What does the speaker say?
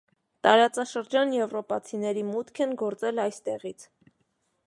Տարածաշրջան եվրոպացիների մուտք են գործել այստեղից։